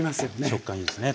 食感いいですね。